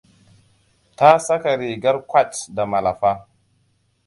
Ta saka rigar kwat da malafa.